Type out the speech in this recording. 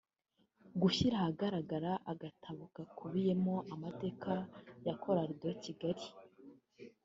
gushyira ahagaragara agatabo gakubiyemo amateka ya Chorale de Kigali